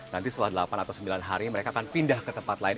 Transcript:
nanti setelah delapan atau sembilan hari mereka akan pindah ke tempat lain